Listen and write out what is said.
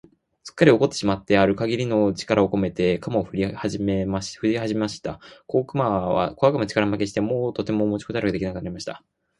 すっかり怒ってしまってある限りの力をこめて、鎌をふりはじました。小悪魔は力負けして、もうとても持ちこたえることが出来なくなりました。